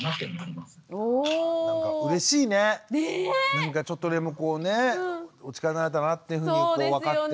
なんかちょっとでもこうねお力になれたなっていうふうに分かって。